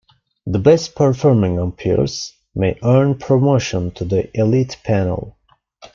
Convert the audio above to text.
The best performing umpires may earn promotion to the Elite Panel.